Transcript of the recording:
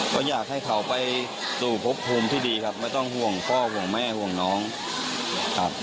ก็อยากให้เขาไปสู่พบภูมิที่ดีครับไม่ต้องห่วงพ่อห่วงแม่ห่วงน้องครับ